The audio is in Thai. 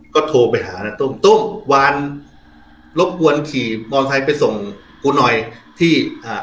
ก็โทรไปหานะตุ้มตุ้มวานรบกวนขี่มอไซค์ไปส่งกูหน่อยที่อ่า